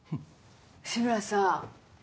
志村さん